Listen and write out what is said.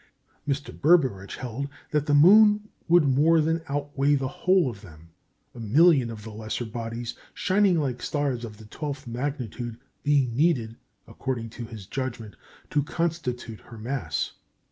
M. Berberich held that the moon would more than outweigh the whole of them, a million of the lesser bodies shining like stars of the twelfth magnitude being needed, according to his judgment, to constitute her mass.